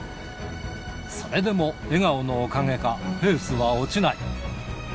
それでも、笑顔のおかげかペースは落ちない。